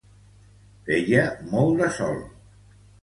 Feia molt de sol.